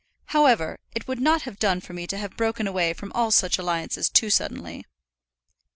However, it would not have done for me to have broken away from all such alliances too suddenly.